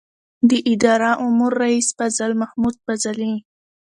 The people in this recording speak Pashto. د اداره امور رئیس فضل محمود فضلي